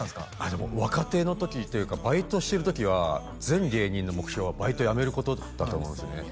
でも若手の時というかバイトしてる時は全芸人の目標がバイトやめることだと思うんですよね